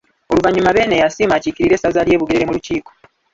Oluvannyuma Beene yasiima akiikirire essaza ly’e Bugerere mu lukiiko.